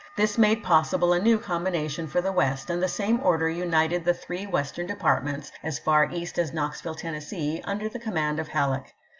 This made possible a new combination for the West, and the same order united the three Western depart ments (as far East as Knoxville, Tennessee) under the command of Halleck.